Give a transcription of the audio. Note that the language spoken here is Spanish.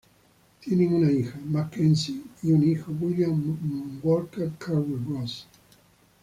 Tienen una hija, McKenzie, y un hijo, William Walker Curry Ross.